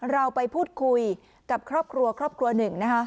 เราไปพูดคุยกับครอบครัวครอบครัวหนึ่งนะคะ